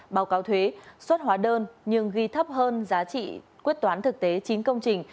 báo cáo thuế xuất hóa đơn nhưng ghi thấp hơn giá trị quyết toán thực tế chín công trình